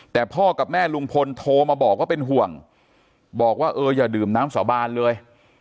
แต่พ่อกับแม่ลุงพลโทรมาบอกว่าเป็นห่วงบอกว่าเอออย่าดื่มน้ำสาบานเลย